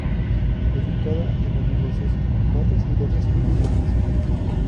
Dedicada a los negocios, Bata se iría transformando en una ciudad.